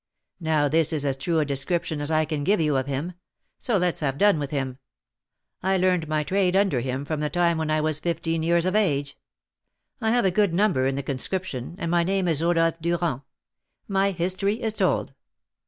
Now this is as true a description as I can give you of him; so let's have done with him. I learned my trade under him from the time when I was fifteen years of age; I have a good number in the Conscription, and my name is Rodolph Durand. My history is told."